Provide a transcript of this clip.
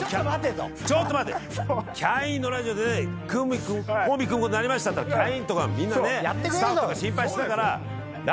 キャインのラジオでコンビ組むことになりましたっつったらキャインとかみんなねスタッフとか心配してたから。